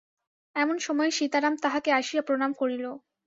এমন সময়ে সীতারাম তাঁহাকে আসিয়া প্রণাম করিল।